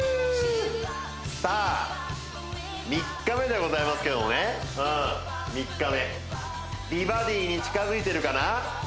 さあ３日目でございますけどもねうん３日目美バディに近づいてるかな？